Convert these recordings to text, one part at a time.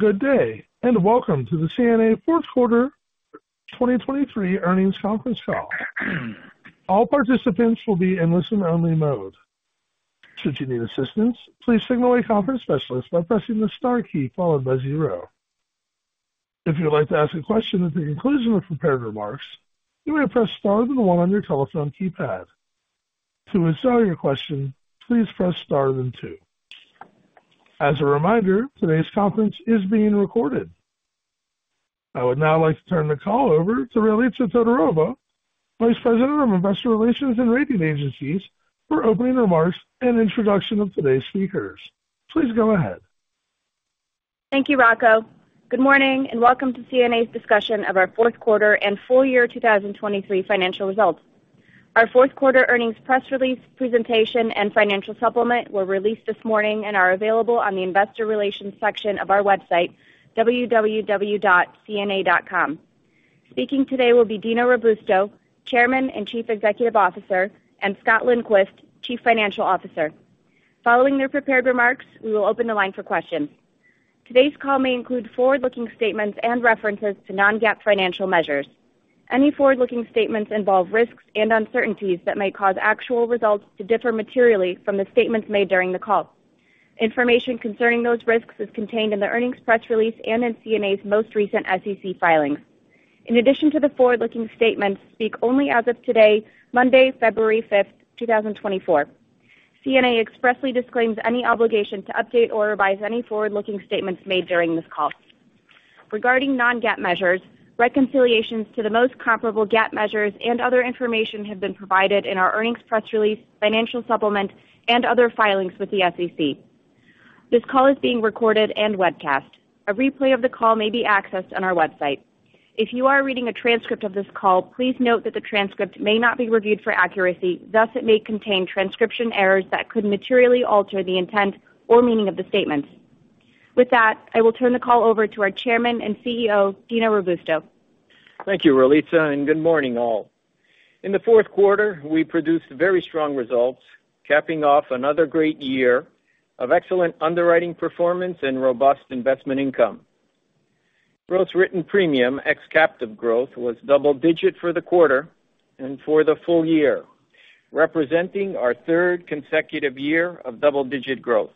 Good day, and welcome to the CNA Fourth Quarter 2023 Earnings Conference Call. All participants will be in listen-only mode. Should you need assistance, please signal a conference specialist by pressing the star key followed by zero. If you'd like to ask a question at the conclusion of prepared remarks, you may press star then one on your telephone keypad. To withdraw your question, please press star then two. As a reminder, today's conference is being recorded. I would now like to turn the call over to Ralitza Todorova, Vice President of Investor Relations and Rating Agencies, for opening remarks and introduction of today's speakers. Please go ahead. Thank you, Rocco. Good morning, and welcome to CNA's discussion of our fourth quarter and full year 2023 financial results. Our fourth quarter earnings press release, presentation, and financial supplement were released this morning and are available on the investor relations section of our website, www.cna.com. Speaking today will be Dino Robusto, Chairman and Chief Executive Officer, and Scott Lindquist, Chief Financial Officer. Following their prepared remarks, we will open the line for questions. Today's call may include forward-looking statements and references to non-GAAP financial measures. Any forward-looking statements involve risks and uncertainties that may cause actual results to differ materially from the statements made during the call. Information concerning those risks is contained in the earnings press release and in CNA's most recent SEC filings. In addition to the forward-looking statements, speak only as of today, Monday, February fifth, 2024. CNA expressly disclaims any obligation to update or revise any forward-looking statements made during this call. Regarding non-GAAP measures, reconciliations to the most comparable GAAP measures and other information have been provided in our earnings press release, financial supplement, and other filings with the SEC. This call is being recorded and webcast. A replay of the call may be accessed on our website. If you are reading a transcript of this call, please note that the transcript may not be reviewed for accuracy, thus it may contain transcription errors that could materially alter the intent or meaning of the statements. With that, I will turn the call over to our Chairman and CEO, Dino Robusto. Thank you, Ralitza, and good morning, all. In the fourth quarter, we produced very strong results, capping off another great year of excellent underwriting performance and robust investment income. Gross written premium, ex captive growth, was double-digit for the quarter and for the full year, representing our third consecutive year of double-digit growth.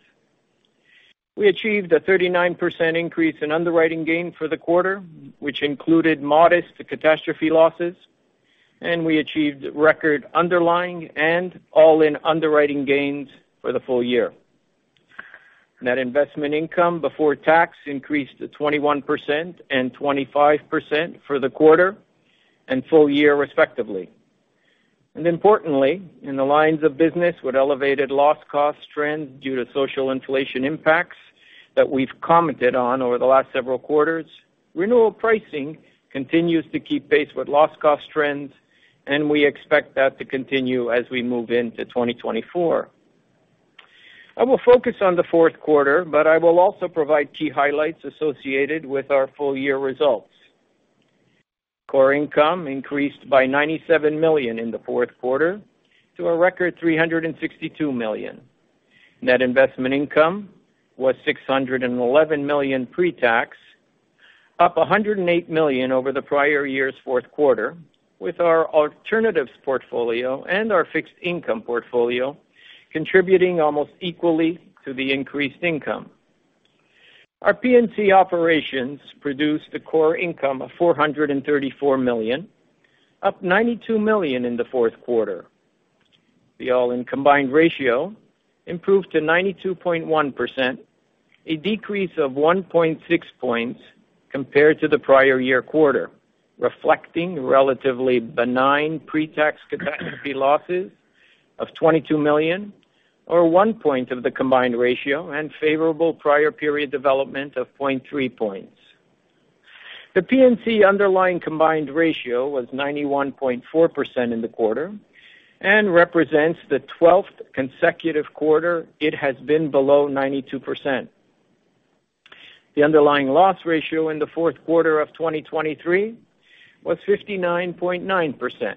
We achieved a 39% increase in underwriting gain for the quarter, which included modest catastrophe losses, and we achieved record underlying and all-in underwriting gains for the full year. Net investment income before tax increased to 21% and 25% for the quarter and full year, respectively. Importantly, in the lines of business with elevated loss cost trends due to social inflation impacts that we've commented on over the last several quarters, renewal pricing continues to keep pace with loss cost trends, and we expect that to continue as we move into 2024. I will focus on the fourth quarter, but I will also provide key highlights associated with our full-year results. Core income increased by $97 million in the fourth quarter to a record $362 million. Net investment income was $611 million pre-tax, up $108 million over the prior year's fourth quarter, with our alternatives portfolio and our fixed income portfolio contributing almost equally to the increased income. Our P&C operations produced a core income of $434 million, up $92 million in the fourth quarter. The all-in combined ratio improved to 92.1%, a decrease of 1.6 points compared to the prior year quarter, reflecting relatively benign pre-tax catastrophe losses of $22 million, or 1 point of the combined ratio, and favorable prior period development of 0.3 points. The P&C underlying combined ratio was 91.4% in the quarter and represents the twelfth consecutive quarter it has been below 92%. The underlying loss ratio in the fourth quarter of 2023 was 59.9%,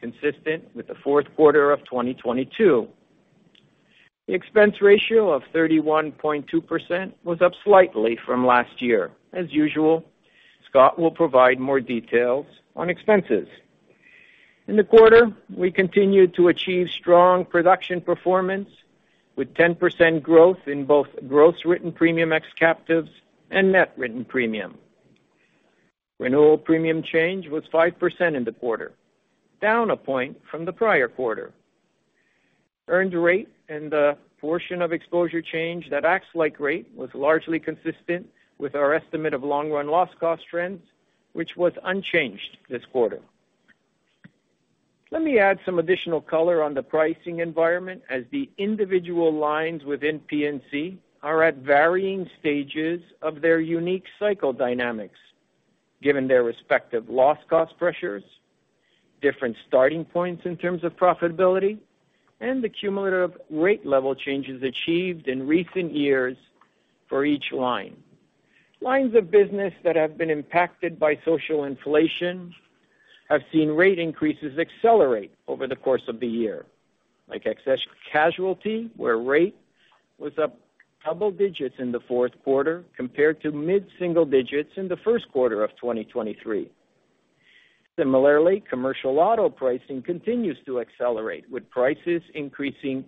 consistent with the fourth quarter of 2022. The expense ratio of 31.2% was up slightly from last year. As usual, Scott will provide more details on expenses. In the quarter, we continued to achieve strong production performance, with 10% growth in both gross written premium ex captives and net written premium. Renewal premium change was 5% in the quarter, down a point from the prior quarter. Earned rate and the portion of exposure change that acts like rate was largely consistent with our estimate of long-run loss cost trends, which was unchanged this quarter. Let me add some additional color on the pricing environment, as the individual lines within P&C are at varying stages of their unique cycle dynamics, given their respective loss cost pressures, different starting points in terms of profitability, and the cumulative rate level changes achieved in recent years for each line. Lines of business that have been impacted by social inflation have seen rate increases accelerate over the course of the year, like excess casualty, where rate was up double digits in the fourth quarter compared to mid-single digits in the first quarter of 2023. Similarly, Commercial Auto pricing continues to accelerate, with prices increasing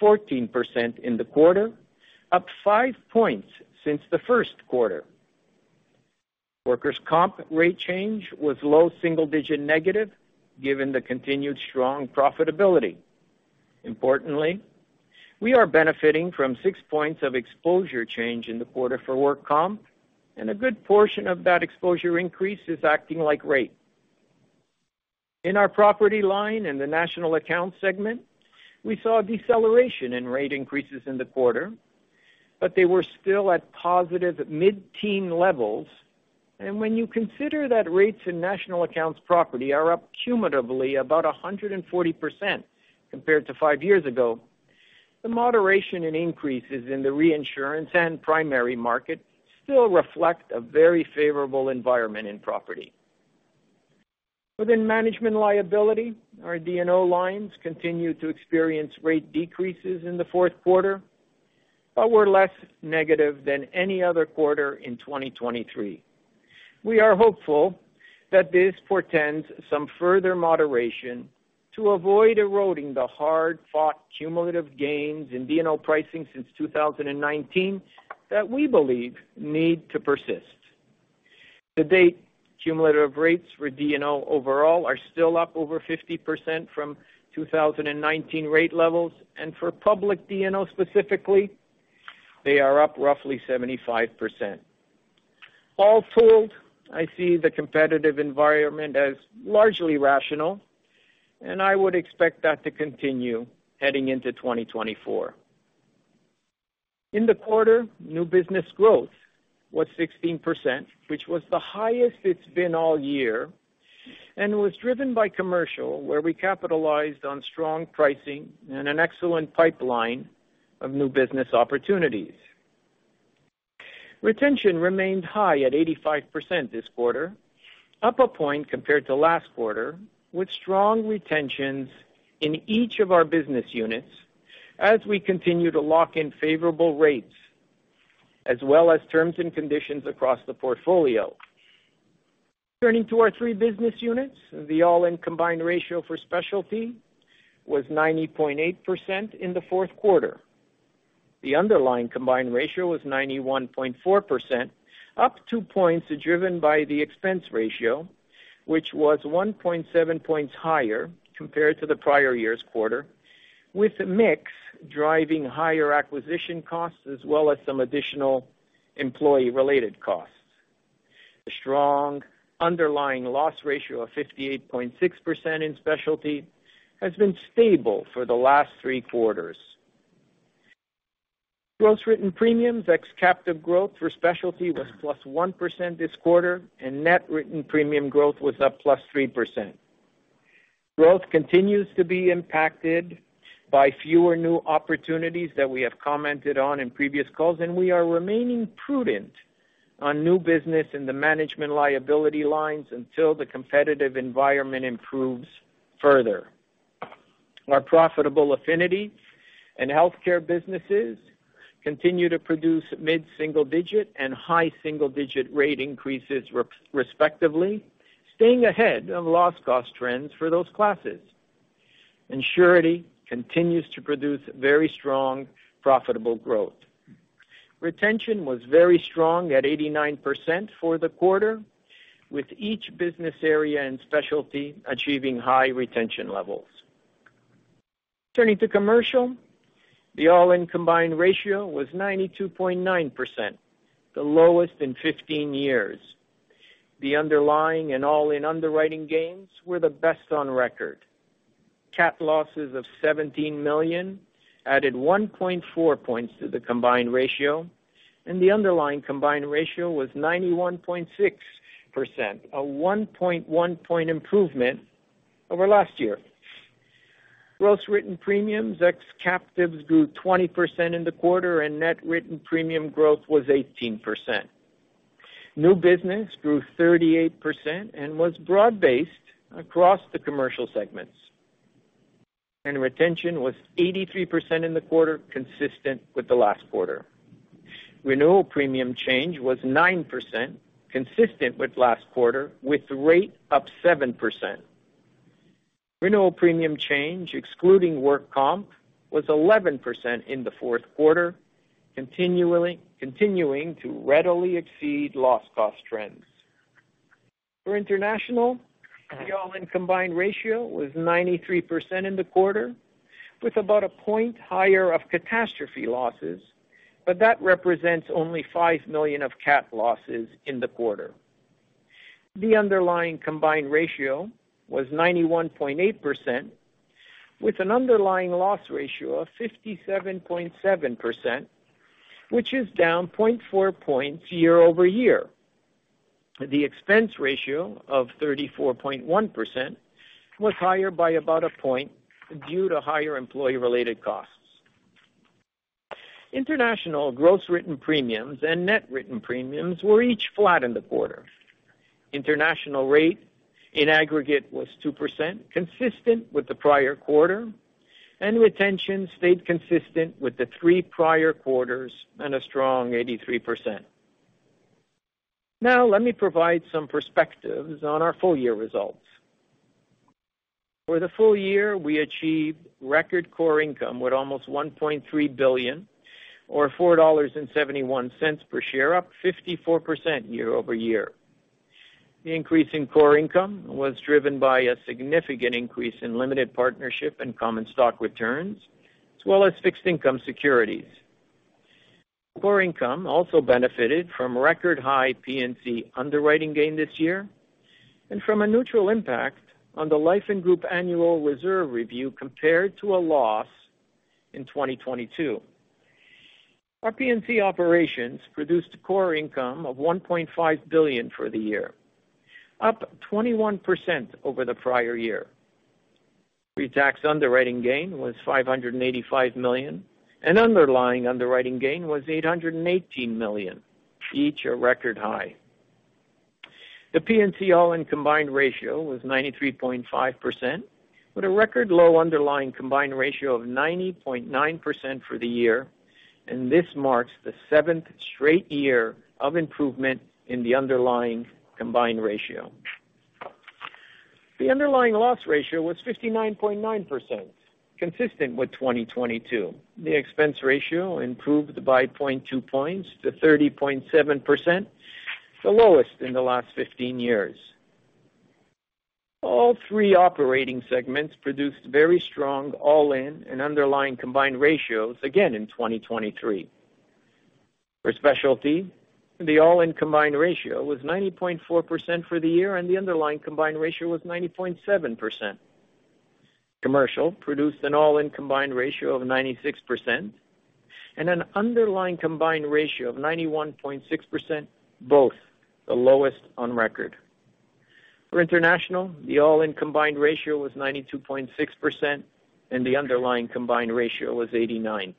14% in the quarter, up 5 points since the first quarter. Workers' comp rate change was low single-digit negative, given the continued strong profitability. Importantly, we are benefiting from 6 points of exposure change in the quarter for work comp, and a good portion of that exposure increase is acting like rate. In our Property line in the National Accounts segment, we saw a deceleration in rate increases in the quarter, but they were still at positive mid-teen levels, and when you consider that rates in National Accounts property are up cumulatively about 140% compared to 5 years ago, the moderation in increases in the reinsurance and primary market still reflect a very favorable environment in property. Within management liability, our D&O lines continued to experience rate decreases in the fourth quarter, but were less negative than any other quarter in 2023. We are hopeful that this portends some further moderation to avoid eroding the hard-fought cumulative gains in D&O pricing since 2019 that we believe need to persist. To date, cumulative rates for D&O overall are still up over 50% from 2019 rate levels, and for public D&O specifically, they are up roughly 75%. All told, I see the competitive environment as largely rational, and I would expect that to continue heading into 2024. In the quarter, new business growth was 16%, which was the highest it's been all year, and was driven by commercial, where we capitalized on strong pricing and an excellent pipeline of new business opportunities. Retention remained high at 85% this quarter, up 1 point compared to last quarter, with strong retentions in each of our business units as we continue to lock in favorable rates, as well as terms and conditions across the portfolio. Turning to our three business units, the all-in combined ratio for Specialty was 90.8% in the fourth quarter. The underlying combined ratio was 91.4%, up 2 points, driven by the expense ratio, which was 1.7 points higher compared to the prior year's quarter, with mix driving higher acquisition costs as well as some additional employee-related costs. The strong underlying loss ratio of 58.6% in specialty has been stable for the last 3 quarters. Gross written premiums, ex captive growth for specialty was +1% this quarter, and net written premium growth was up +3%. Growth continues to be impacted by fewer new opportunities that we have commented on in previous calls, and we are remaining prudent on new business in the management liability lines until the competitive environment improves further. Our profitable Affinity and Healthcare businesses continue to produce mid-single-digit and high single-digit rate increases respectively, staying ahead of loss cost trends for those classes. Surety continues to produce very strong, profitable growth. Retention was very strong at 89% for the quarter, with each business area and Specialty achieving high retention levels. Turning to Commercial, the all-in combined ratio was 92.9%, the lowest in 15 years. The underlying and all-in underwriting gains were the best on record. Cat losses of $17 million added 1.4 points to the combined ratio, and the underlying combined ratio was 91.6%, a 1.1-point improvement over last year. Gross written premiums, ex captives, grew 20% in the quarter, and net written premium growth was 18%. New business grew 38% and was broad-based across the commercial segments, and retention was 83% in the quarter, consistent with the last quarter. Renewal premium change was 9%, consistent with last quarter, with rate up 7%. Renewal premium change, excluding work comp, was 11% in the fourth quarter, continuing to readily exceed loss cost trends. For International, the all-in combined ratio was 93% in the quarter, with about a point higher of catastrophe losses, but that represents only $5 million of cat losses in the quarter. The underlying combined ratio was 91.8%, with an underlying loss ratio of 57.7%, which is down 0.4 points year-over-year. The expense ratio of 34.1% was higher by about a point due to higher employee-related costs. International gross written premiums and net written premiums were each flat in the quarter. International rate in aggregate was 2%, consistent with the prior quarter, and retention stayed consistent with the 3 prior quarters and a strong 83%. Now, let me provide some perspectives on our full-year results. For the full year, we achieved record core income with almost $1.3 billion, or $4.71 per share, up 54% year-over-year. The increase in core income was driven by a significant increase in limited partnership and common stock returns, as well as fixed income securities. Core income also benefited from record-high P&C underwriting gain this year and from a neutral impact on the Life and Group annual reserve review, compared to a loss in 2022. Our P&C operations produced a core income of $1.5 billion for the year, up 21% over the prior year. Pre-tax underwriting gain was $585 million, and underlying underwriting gain was $818 million, each a record high. The P&C all-in combined ratio was 93.5%, with a record low underlying combined ratio of 90.9% for the year, and this marks the seventh straight year of improvement in the underlying combined ratio. The underlying loss ratio was 59.9%, consistent with 2022. The expense ratio improved by 0.2 points to 30.7%, the lowest in the last 15 years. All three operating segments produced very strong all-in and underlying combined ratios again in 2023. For Specialty, the all-in combined ratio was 90.4% for the year, and the underlying combined ratio was 90.7%. Commercial produced an all-in combined ratio of 96% and an underlying combined ratio of 91.6%, both the lowest on record. For International, the all-in combined ratio was 92.6%, and the underlying combined ratio was 89%.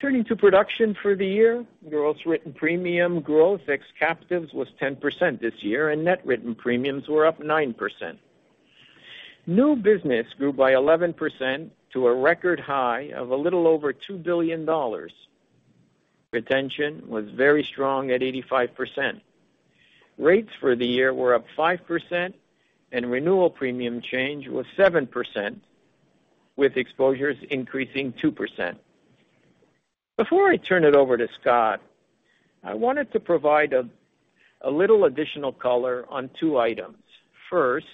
Turning to production for the year, gross written premium growth ex captives was 10% this year, and net written premiums were up 9%. New business grew by 11% to a record high of a little over $2 billion. Retention was very strong at 85%. Rates for the year were up 5%, and renewal premium change was 7%, with exposures increasing 2%. Before I turn it over to Scott, I wanted to provide a little additional color on two items. First,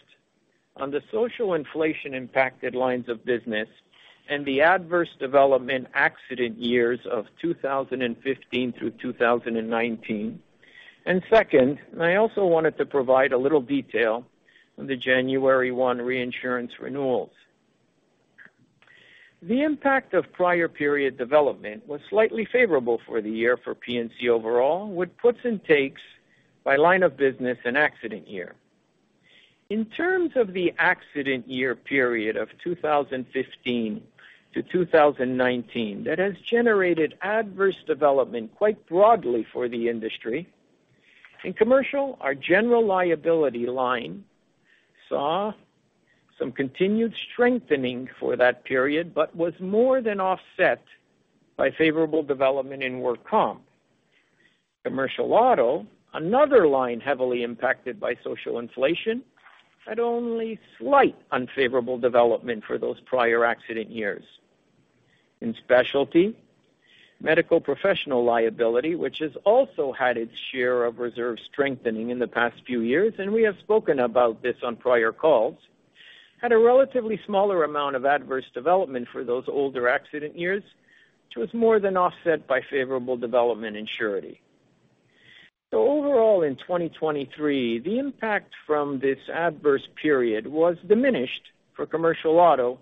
on the social inflation-impacted lines of business and the adverse development accident years of 2015 through 2019. Second, I also wanted to provide a little detail on the January 1 reinsurance renewals. The impact of prior period development was slightly favorable for the year for P&C overall, with puts and takes by line of business and accident year. In terms of the accident year period of 2015 to 2019, that has generated adverse development quite broadly for the industry. In Commercial, our General Liability line saw some continued strengthening for that period, but was more than offset by favorable development in work comp. Commercial Auto, another line heavily impacted by social inflation, had only slight unfavorable development for those prior accident years. In Specialty, Medical Professional Liability, which has also had its share of reserve strengthening in the past few years, and we have spoken about this on prior calls, had a relatively smaller amount of adverse development for those older accident years, which was more than offset by favorable development in Surety. Overall, in 2023, the impact from this adverse period was diminished for Commercial Auto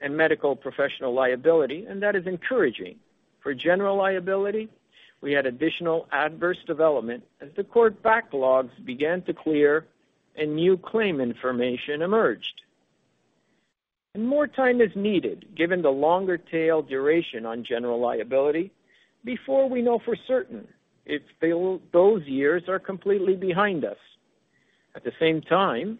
and Medical Professional Liability, and that is encouraging. For General Liability, we had additional adverse development as the court backlogs began to clear and new claim information emerged. More time is needed, given the longer tail duration on General Liability, before we know for certain if those years are completely behind us. At the same time,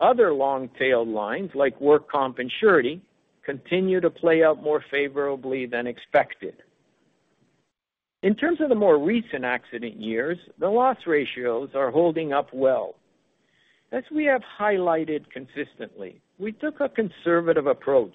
other long-tailed lines, like work comp and Surety, continue to play out more favorably than expected. In terms of the more recent accident years, the loss ratios are holding up well. As we have highlighted consistently, we took a conservative approach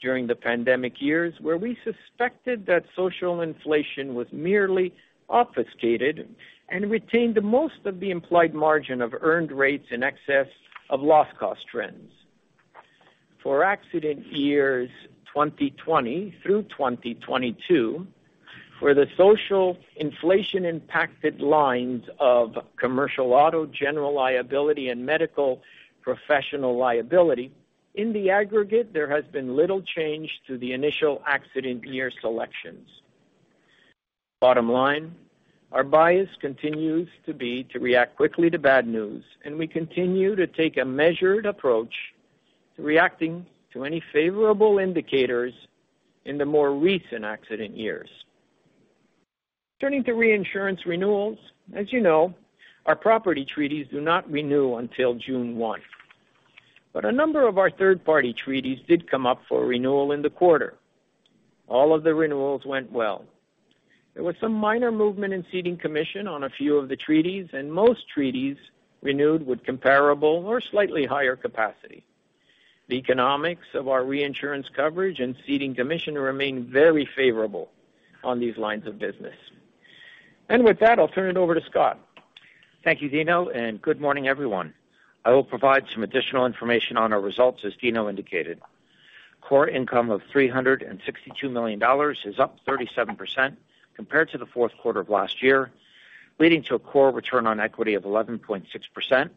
during the pandemic years, where we suspected that social inflation was merely obfuscated and retained the most of the implied margin of earned rates in excess of loss cost trends. For accident years 2020 through 2022, for the social inflation-impacted lines of Commercial Auto, General Liability, and Medical Professional Liability, in the aggregate, there has been little change to the initial accident year selections. Bottom line, our bias continues to be to react quickly to bad news, and we continue to take a measured approach to reacting to any favorable indicators in the more recent accident years. Turning to reinsurance renewals, as you know, our property treaties do not renew until June 1. A number of our third-party treaties did come up for renewal in the quarter. All of the renewals went well. There was some minor movement in ceding commission on a few of the treaties, and most treaties renewed with comparable or slightly higher capacity. The economics of our reinsurance coverage and ceding commission remain very favorable on these lines of business. With that, I'll turn it over to Scott. Thank you, Dino, and good morning, everyone. I will provide some additional information on our results, as Dino indicated. Core income of $362 million is up 37% compared to the fourth quarter of last year, leading to a core return on equity of 11.6%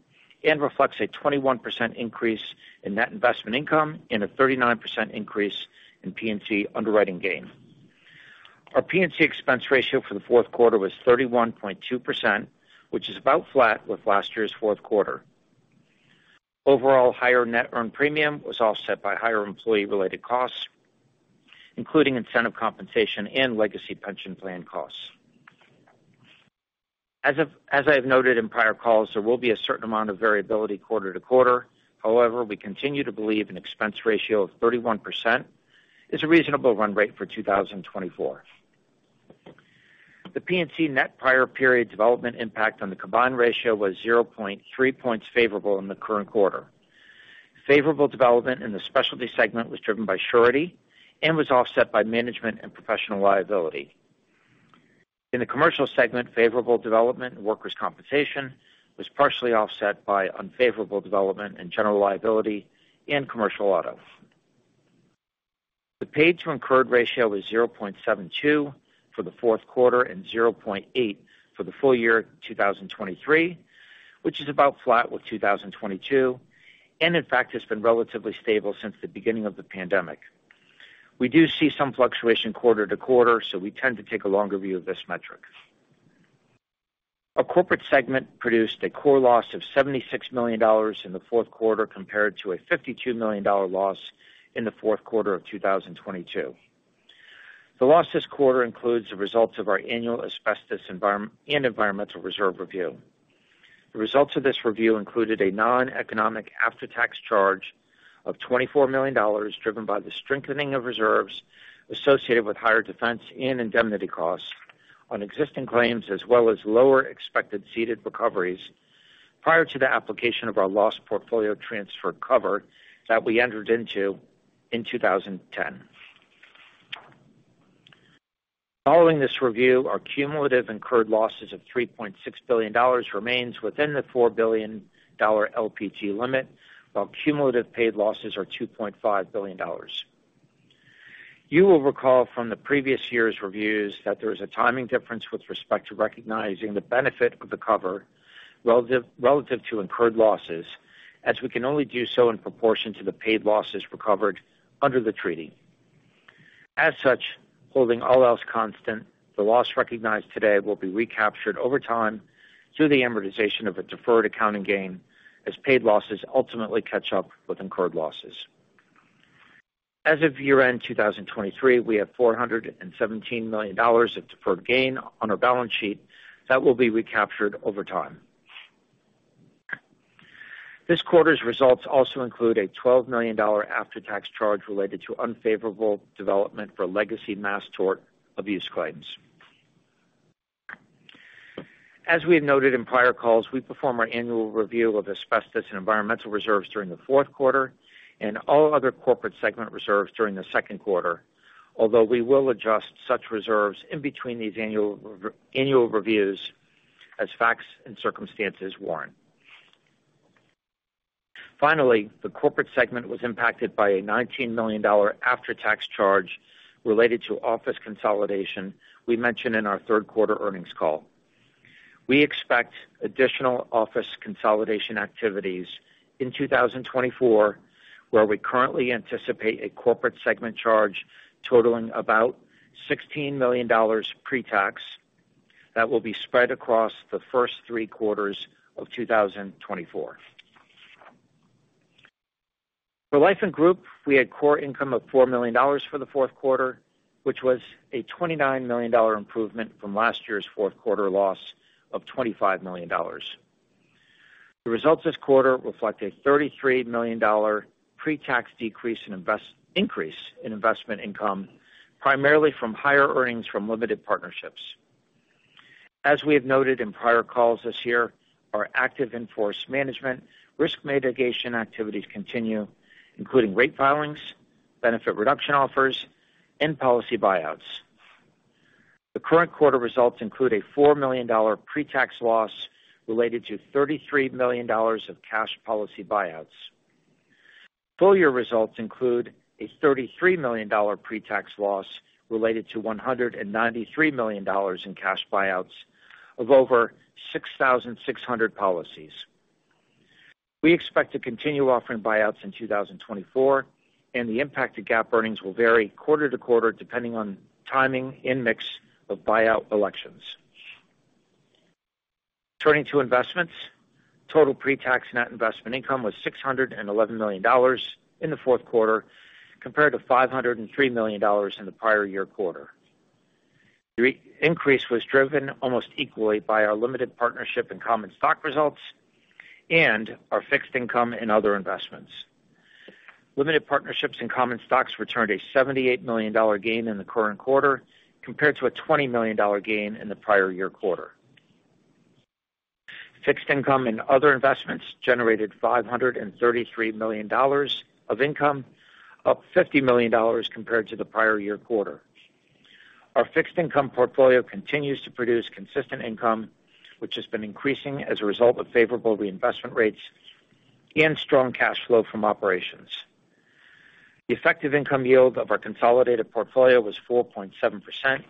and reflects a 21% increase in net investment income and a 39% increase in P&C underwriting gain. Our P&C expense ratio for the fourth quarter was 31.2%, which is about flat with last year's fourth quarter. Overall, higher net earned premium was offset by higher employee-related costs, including incentive compensation and legacy pension plan costs. As I've noted in prior calls, there will be a certain amount of variability quarter-to-quarter. However, we continue to believe an expense ratio of 31% is a reasonable run rate for 2024. The P&C net prior period development impact on the combined ratio was 0.3 points favorable in the current quarter. Favorable development in the specialty segment was driven by surety and was offset by Management & Professional Liability. In the commercial segment, favorable development in workers' compensation was partially offset by unfavorable development and general liability in commercial auto. The paid to incurred ratio was 0.72 for the fourth quarter and 0.8 for the full year 2023, which is about flat with 2022, and in fact, has been relatively stable since the beginning of the pandemic. We do see some fluctuation quarter to quarter, so we tend to take a longer view of this metric. Our Corporate segment produced a core loss of $76 million in the fourth quarter, compared to a $52 million loss in the fourth quarter of 2022. The loss this quarter includes the results of our annual asbestos and environmental reserve review. The results of this review included a non-economic after-tax charge of $24 million, driven by the strengthening of reserves associated with higher defense and indemnity costs on existing claims, as well as lower expected ceded recoveries prior to the application of our loss portfolio transfer cover that we entered into in 2010. Following this review, our cumulative incurred losses of $3.6 billion remains within the $4 billion LPT limit, while cumulative paid losses are $2.5 billion. You will recall from the previous year's reviews that there is a timing difference with respect to recognizing the benefit of the cover relative to incurred losses, as we can only do so in proportion to the paid losses recovered under the treaty. As such, holding all else constant, the loss recognized today will be recaptured over time through the amortization of a deferred accounting gain, as paid losses ultimately catch up with incurred losses. As of year-end 2023, we have $417 million of deferred gain on our balance sheet that will be recaptured over time. This quarter's results also include a $12 million after-tax charge related to unfavorable development for legacy mass tort abuse claims. As we have noted in prior calls, we perform our annual review of asbestos and environmental reserves during the fourth quarter and all other corporate segment reserves during the second quarter, although we will adjust such reserves in between these annual reviews as facts and circumstances warrant. Finally, the corporate segment was impacted by a $19 million after-tax charge related to office consolidation we mentioned in our third quarter earnings call. We expect additional office consolidation activities in 2024, where we currently anticipate a corporate segment charge totaling about $16 million pre-tax that will be spread across the first three quarters of 2024. For Life & Group, we had core income of $4 million for the fourth quarter, which was a $29 million improvement from last year's fourth quarter loss of $25 million. The results this quarter reflect a $33 million pre-tax increase in investment income, primarily from higher earnings from limited partnerships. As we have noted in prior calls this year, our active in-force management risk mitigation activities continue, including rate filings, benefit reduction offers, and policy buyouts. The current quarter results include a $4 million pre-tax loss related to $33 million of cash policy buyouts. Full year results include a $33 million pre-tax loss related to $193 million in cash buyouts of over 6,600 policies. We expect to continue offering buyouts in 2024, and the impact to GAAP earnings will vary quarter to quarter, depending on timing and mix of buyout elections. Turning to investments, total pre-tax net investment income was $611 million in the fourth quarter, compared to $503 million in the prior year quarter. The increase was driven almost equally by our limited partnership and common stock results and our fixed income and other investments. Limited partnerships and common stocks returned a $78 million dollar gain in the current quarter, compared to a $20 million dollar gain in the prior year quarter. Fixed income and other investments generated $533 million of income, up $50 million compared to the prior year quarter. Our fixed income portfolio continues to produce consistent income, which has been increasing as a result of favorable reinvestment rates and strong cash flow from operations. The effective income yield of our consolidated portfolio was 4.7%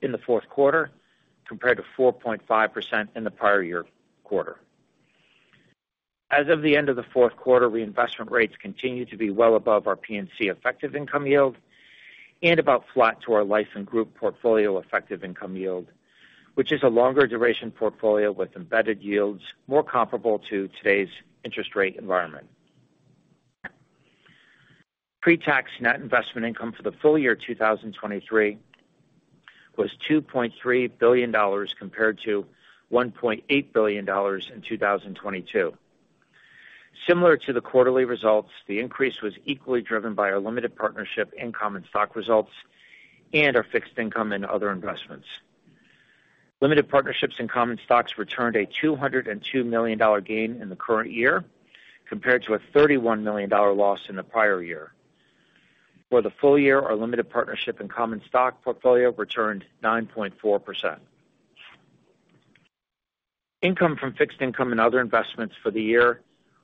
in the fourth quarter, compared to 4.5% in the prior year quarter. As of the end of the fourth quarter, reinvestment rates continue to be well above our P&C effective income yield and about flat to our life and group portfolio effective income yield, which is a longer duration portfolio with embedded yields more comparable to today's interest rate environment. Pre-tax net investment income for the full year 2023 was $2.3 billion, compared to $1.8 billion in 2022. Similar to the quarterly results, the increase was equally driven by our limited partnership and common stock results and our fixed income and other investments. Limited partnerships and common stocks returned a $202 million gain in the current year, compared to a $31 million loss in the prior year. For the full year, our limited partnership and common stock portfolio returned 9.4%. Income from fixed income and other investments for the year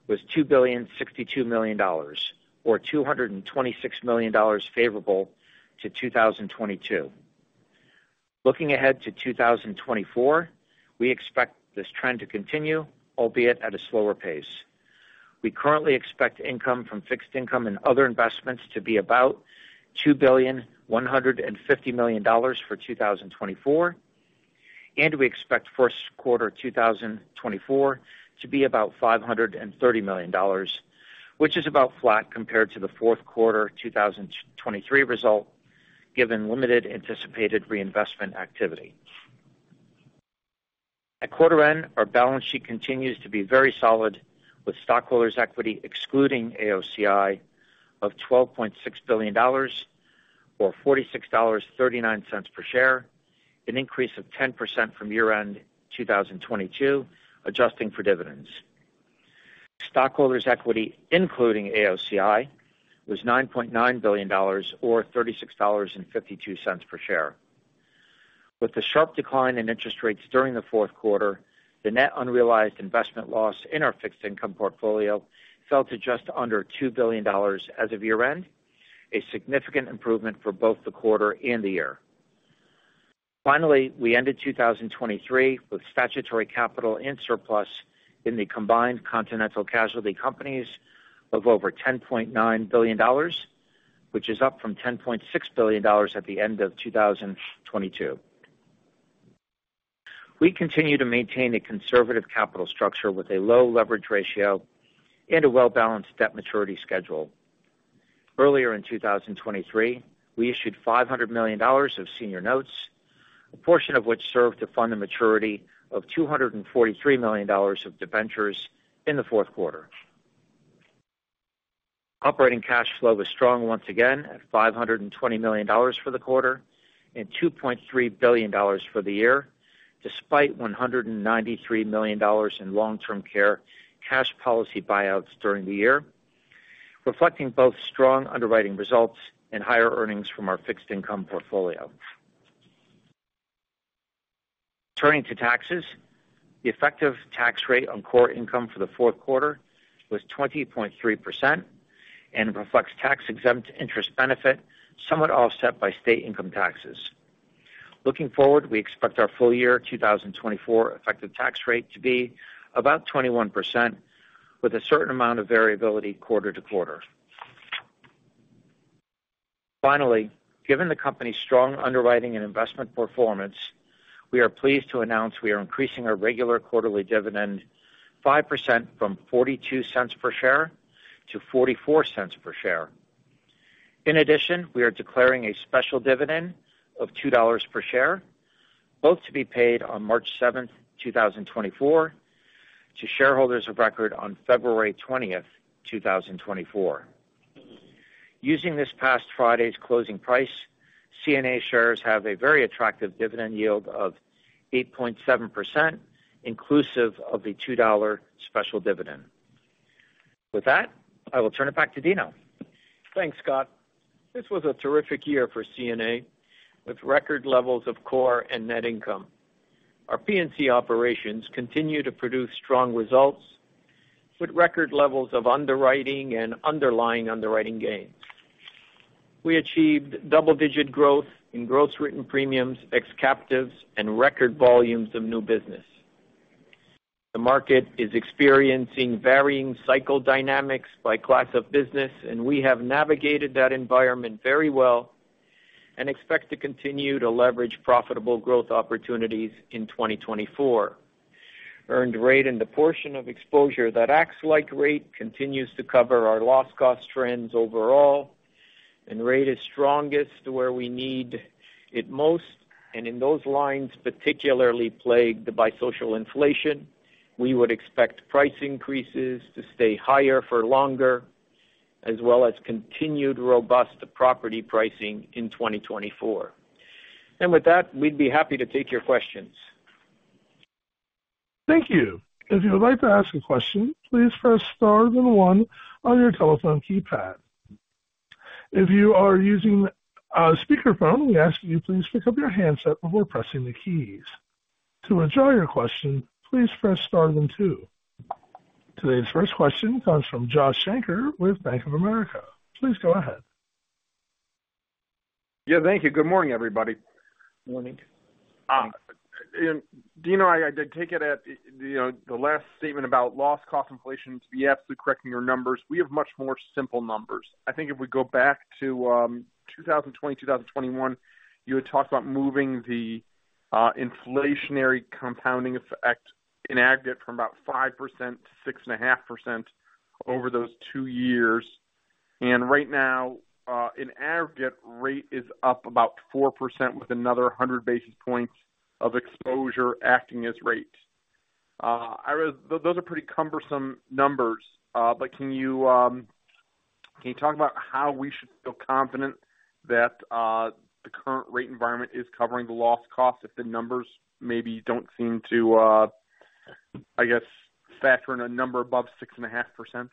was $2.062 billion, or $226 million favorable to 2022. Looking ahead to 2024, we expect this trend to continue, albeit at a slower pace. We currently expect income from fixed income and other investments to be about $2.15 billion for 2024, and we expect first quarter 2024 to be about $530 million, which is about flat compared to the fourth quarter 2023 result, given limited anticipated reinvestment activity. At quarter end, our balance sheet continues to be very solid, with stockholders' equity excluding AOCI of $12.6 billion or $46.39 per share, an increase of 10% from year-end 2022, adjusting for dividends. Stockholders' equity, including AOCI, was $9.9 billion or $36.52 per share. With the sharp decline in interest rates during the fourth quarter, the net unrealized investment loss in our fixed income portfolio fell to just under $2 billion as of year-end, a significant improvement for both the quarter and the year. Finally, we ended 2023 with statutory capital and surplus in the combined Continental Casualty Companies of over $10.9 billion, which is up from $10.6 billion at the end of 2022. We continue to maintain a conservative capital structure with a low leverage ratio and a well-balanced debt maturity schedule. Earlier in 2023, we issued $500 million of senior notes, a portion of which served to fund the maturity of $243 million of debentures in the fourth quarter. Operating cash flow was strong once again at $520 million for the quarter and $2.3 billion for the year, despite $193 million in Long-Term Care cash policy buyouts during the year, reflecting both strong underwriting results and higher earnings from our fixed income portfolio. Turning to taxes, the effective tax rate on core income for the fourth quarter was 20.3% and reflects tax-exempt interest benefit, somewhat offset by state income taxes. Looking forward, we expect our full year 2024 effective tax rate to be about 21%, with a certain amount of variability quarter to quarter. Finally, given the company's strong underwriting and investment performance, we are pleased to announce we are increasing our regular quarterly dividend 5% from $0.42 per share to $0.44 per share. In addition, we are declaring a special dividend of $2 per share, both to be paid on March 7, 2024, to shareholders of record on February 20, 2024. Using this past Friday's closing price, CNA shares have a very attractive dividend yield of 8.7%, inclusive of the $2 special dividend. With that, I will turn it back to Dino. Thanks, Scott. This was a terrific year for CNA, with record levels of core and net income. Our P&C operations continue to produce strong results with record levels of underwriting and underlying underwriting gains. We achieved double-digit growth in gross written premiums, ex captives, and record volumes of new business. The market is experiencing varying cycle dynamics by class of business, and we have navigated that environment very well and expect to continue to leverage profitable growth opportunities in 2024. Earned rate and the portion of exposure that acts like rate continues to cover our loss cost trends overall, and rate is strongest where we need it most, and in those lines, particularly plagued by social inflation, we would expect price increases to stay higher for longer, as well as continued robust property pricing in 2024. With that, we'd be happy to take your questions. Thank you. If you would like to ask a question, please press star then one on your telephone keypad. If you are using a speakerphone, we ask that you please pick up your handset before pressing the keys. To withdraw your question, please press star then two. Today's first question comes from Josh Shanker with Bank of America. Please go ahead. Yeah, thank you. Good morning, everybody. Morning. Dino, I did take it at, you know, the last statement about loss cost inflation to be absolutely correcting your numbers. We have much more simple numbers. I think if we go back to 2020, 2021, you had talked about moving the inflationary compounding effect in aggregate from about 5% to 6.5% over those two years. Right now, in aggregate, rate is up about 4% with another 100 basis points of exposure acting as rate. I read those are pretty cumbersome numbers, but can you talk about how we should feel confident that the current rate environment is covering the loss cost, if the numbers maybe don't seem to, I guess, factor in a number above 6.5%?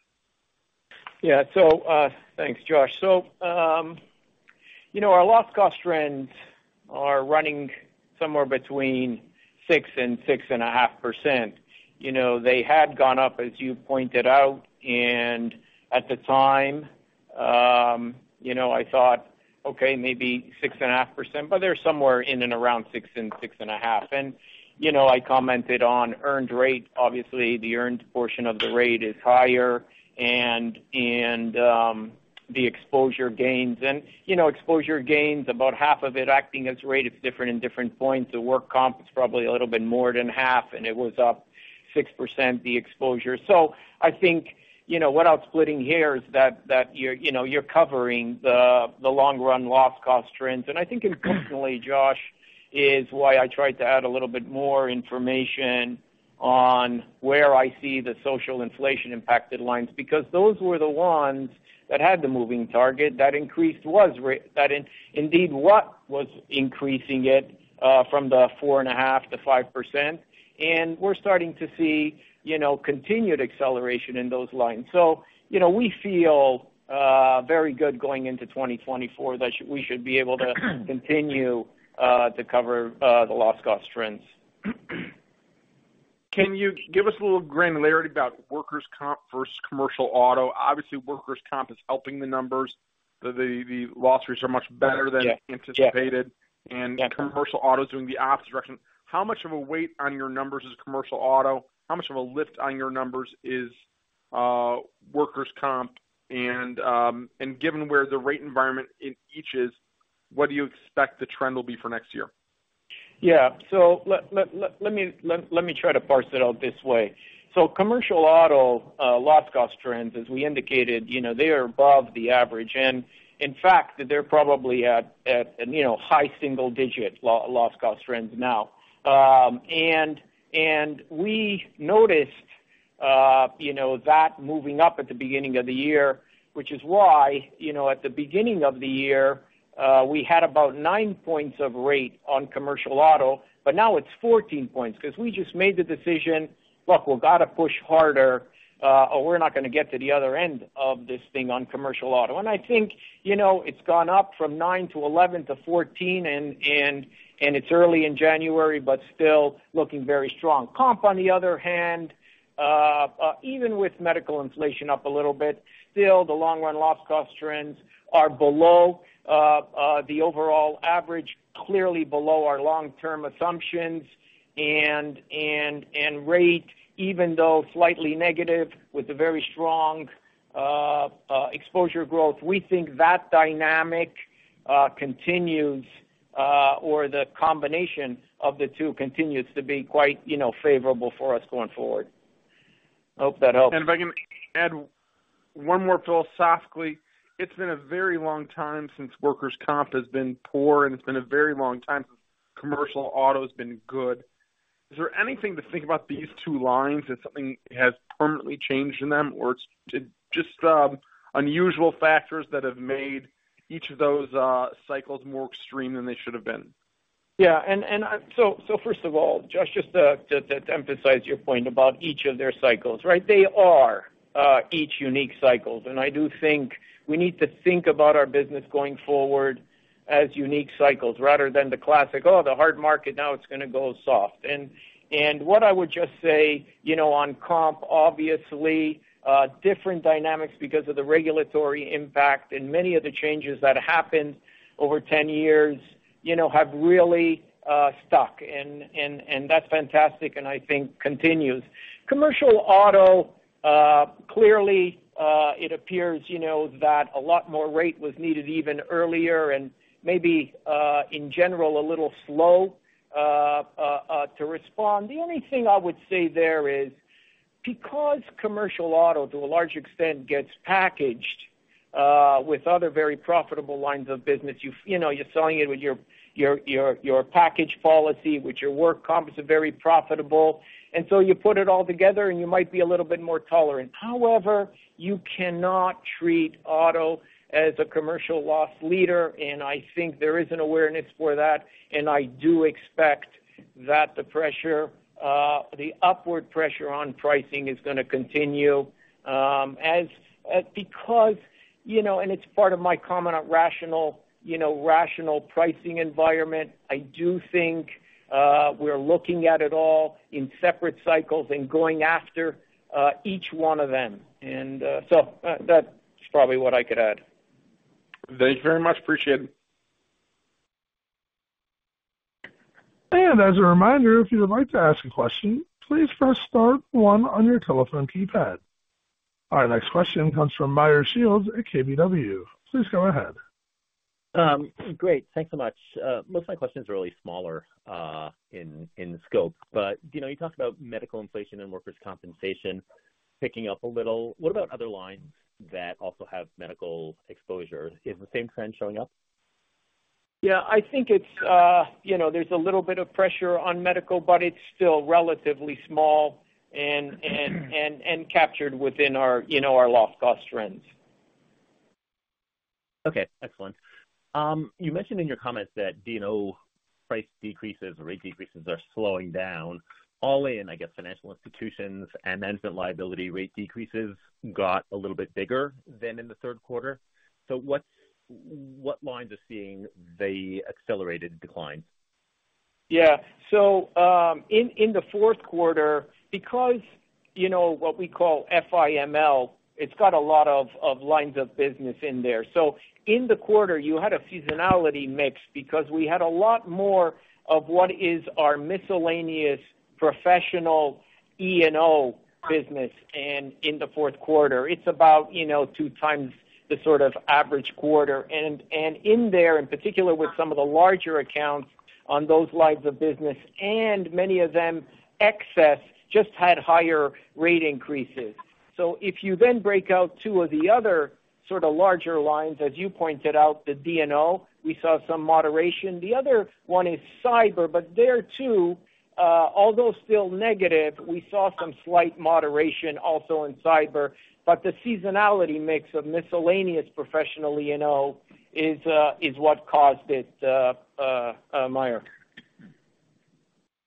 Yeah. thanks, Josh. Our loss cost trends are running somewhere between 6% and 6.5%. You know, they had gone up, as you pointed out, and at the time, you know, I thought, okay, maybe 6.5%, but they're somewhere in and around 6% and 6.5%. I commented on earned rate. Obviously, the earned portion of the rate is higher, and the exposure gains. Exposure gains, about half of it acting as rate, is different in different points. The work comp is probably a little bit more than half, and it was up 6%, the exposure. I think, you know, without splitting hairs, that you're covering the long run loss cost trends. I think importantly, Josh, is why I tried to add a little bit more information on where I see the social inflation impacted lines, because those were the ones that had the moving target that increased was that indeed what was increasing it, from the 4.5%-5%. We're starting to see, you know, continued acceleration in those lines. So you know, we feel very good going into 2024, that we should be able to continue to cover the loss cost trends. Can you give us a little granularity about workers' comp versus commercial auto? Obviously, workers' comp is helping the numbers. The loss rates are much better than anticipated. Yeah. - and Commercial Auto is doing the opposite direction. How much of a weight on your numbers is Commercial Auto? How much of a lift on your numbers is workers' comp? And given where the rate environment in each is, what do you expect the trend will be for next year? Yeah. Let me try to parse it out this way. Commercial Auto, loss cost trends, as we indicated, you know, they are above the average, and in fact, they're probably at, you know, high single-digit loss cost trends now. We noticed, you know, that moving up at the beginning of the year, which is why, you know, at the beginning of the year, we had about 9 points of rate on Commercial Auto, but now it's 14 points, 'cause we just made the decision, look, we've got to push harder, or we're not gonna get to the other end of this thing on Commercial Auto. I think, you know, it's gone up from 9 to 11 to 14, and it's early in January, but still looking very strong. Comp, on the other hand, even with medical inflation up a little bit, still, the long run loss cost trends are below the overall average, clearly below our long-term assumptions, and rate, even though slightly negative with a very strong exposure growth. We think that dynamic continues, or the combination of the two continues to be quite, you know, favorable for us going forward. I hope that helps. If I can add one more philosophically, it's been a very long time since Workers' Comp has been poor, and it's been a very long time since Commercial Auto's been good. Is there anything to think about these two lines, if something has permanently changed in them, or it's just unusual factors that have made each of those cycles more extreme than they should have been? Yeah, and so first of all, Josh, just to emphasize your point about each of their cycles, right? They are each unique cycles, and I do think we need to think about our business going forward as unique cycles rather than the classic, oh, the hard market, now it's gonna go soft. What I would just say, you know, on comp, obviously, different dynamics because of the regulatory impact and many of the changes that happened over 10 years, you know, have really stuck, and that's fantastic, and I think continues. Commercial auto, clearly, it appears, you know, that a lot more rate was needed even earlier and maybe, in general, a little slow to respond. The only thing I would say there is, because commercial auto, to a large extent, gets packaged with other very profitable lines of business, you you know, you're selling it with your, your, your, your package policy, with your work comp, is a very profitable, and so you put it all together, and you might be a little bit more tolerant. However, you cannot treat auto as a commercial loss leader, and I think there is an awareness for that, and I do expect that the pressure, the upward pressure on pricing is gonna continue. As because, you know, and it's part of my comment on rational, you know, rational pricing environment, I do think, we're looking at it all in separate cycles and going after, each one of them. That's probably what I could add. Thank you very much. Appreciate it. As a reminder, if you would like to ask a question, please press star one on your telephone keypad. Our next question comes from Meyer Shields at KBW. Please go ahead. Great, thanks so much. Most of my questions are really smaller in scope, but, you know, you talked about medical inflation and Workers' Compensation picking up a little. What about other lines that also have medical exposure? Is the same trend showing up? Yeah, I think it's, you know, there's a little bit of pressure on medical, but it's still relatively small and captured within our, you know, our loss cost trends. Okay, excellent. You mentioned in your comments that D&O price decreases or rate decreases are slowing down, all in, I guess, financial institutions and then liability rate decreases got a little bit bigger than in the third quarter. What, what lines are seeing the accelerated decline? Yeah. In the fourth quarter, because, you know, what we call FIML, it's got a lot of lines of business in there. In the quarter, you had a seasonality mix because we had a lot more of what is our miscellaneous professional E&O business, and in the fourth quarter. It's about, you know, 2 times the sort of average quarter. In there, in particular, with some of the larger accounts on those lines of business, and many of them excess, just had higher rate increases. If you then break out 2 of the other sort of larger lines, as you pointed out, the D&O, we saw some moderation. The other one is cyber, but there, too, although still negative, we saw some slight moderation also in cyber. But the seasonality mix of miscellaneous professional E&O is what caused it, Meyer.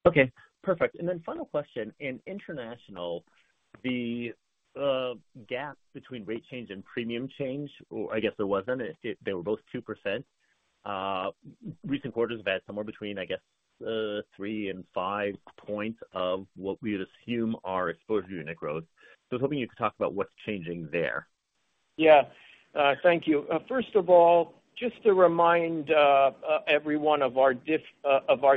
Okay, perfect. Final question: In international, the gap between rate change and premium change, or I guess there wasn't, it—they were both 2%. Recent quarters have had somewhere between, I guess, 3 and 5 points of what we'd assume are exposure unit growth. I was hoping you could talk about what's changing there. Yeah. Thank you. First of all, just to remind everyone of our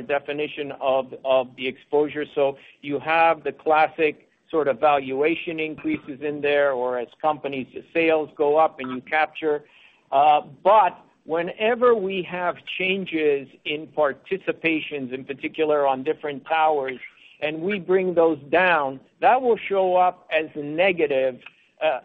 definition of the exposure. So you have the classic sort of valuation increases in there or as companies, the sales go up, and you capture. But whenever we have changes in participations, in particular on different towers, and we bring those down, that will show up as a negative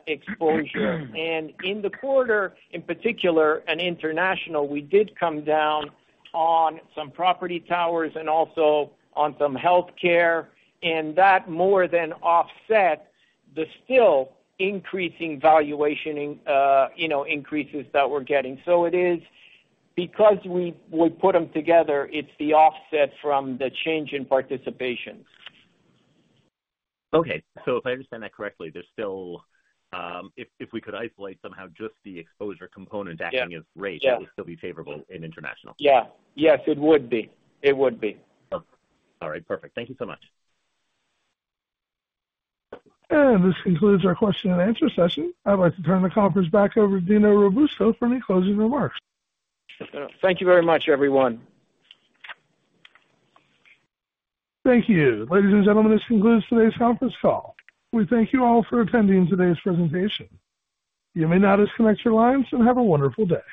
exposure. In the quarter, in particular, in international, we did come down on some property towers and also on some healthcare, and that more than offset the still increasing valuation, you know, increases that we're getting. So it is because we put them together, it's the offset from the change in participation. Okay. If I understand that correctly, there's still, if we could isolate somehow just the exposure component acting as rate- Yeah. It would still be favorable in international? Yeah. Yes, it would be. It would be. All right. Perfect. Thank you so much. This concludes our question and answer session. I'd like to turn the conference back over to Dino Robusto for any closing remarks. Thank you very much, everyone. Thank you. Ladies and gentlemen, this concludes today's conference call. We thank you all for attending today's presentation. You may now disconnect your lines, and have a wonderful day.